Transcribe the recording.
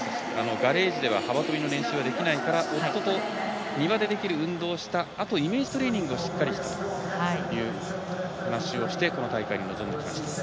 ガレージでは幅跳びの練習ができないから夫と庭でできる運動をしたあとイメージトレーニングをしっかりしたという話をしてこの大会に臨んできました。